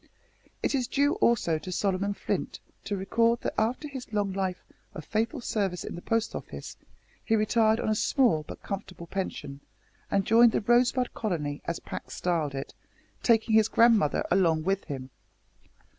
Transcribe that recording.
It is due, also, to Solomon Flint to record that after his long life of faithful service in the Post Office he retired on a small but comfortable pension, and joined the "Rosebud Colony," as Pax styled it, taking his grandmother along with him.